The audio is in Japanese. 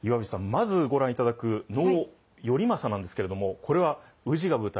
まずご覧いただく能「頼政」なんですけれどもこれは宇治が舞台